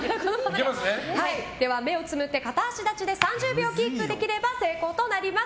では、目をつむって片足立ちで３０秒キープできれば成功となります。